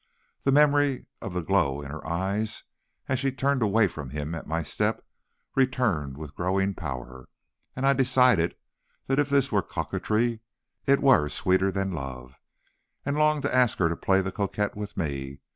The memory of the glow in her eyes, as she turned away from him at my step, returned with growing power, and I decided that if this were coquetry, it were sweeter than love, and longed to ask her to play the coquette with me.